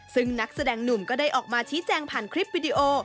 ซึ่งนักแสดงหนุ่มก็ได้ออกมาชี้แจงผ่านคลิปวิดีโอ